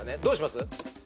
どうします？